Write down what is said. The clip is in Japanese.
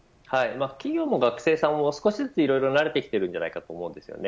企業も学生さんも少しずついろいろ慣れてきているのではないかと思います。